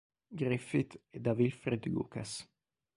Griffith e da Wilfred Lucas.